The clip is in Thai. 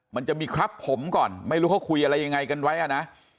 มันจะมีครับผมก่อนไม่รู้เขาคุยอะไรยังไงกันไว้อ่ะนะ